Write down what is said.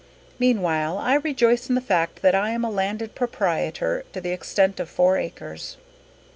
Meanwhile I rejoice in the fact that I am a landed proprietor to the extent of four acres."